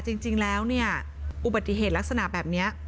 จริงแล้วเนี่ยอุบัติเหตุลักษณะแบบนี้